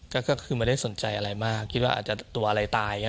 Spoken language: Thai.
ก็คือไม่ได้สนใจอะไรมากคิดว่าอาจจะตัวอะไรตาย